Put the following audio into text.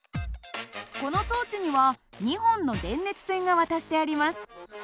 この装置には２本の電熱線が渡してあります。